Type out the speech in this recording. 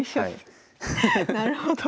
なるほど。